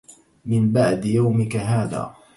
من بعد يومك هذا